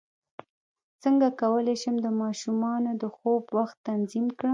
څنګه کولی شم د ماشومانو د خوب وخت تنظیم کړم